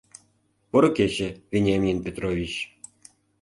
— Поро кече, Вениамин Петрович!